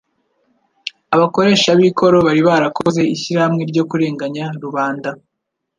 Abakoresha b'ikoro bari barakoze ishyirahamwe ryo kurenganya rubanda